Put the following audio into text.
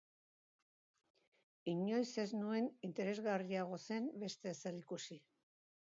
Inoiz ez nuen interesgarriago zen beste ezer ikusi.